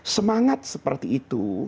semangat seperti itu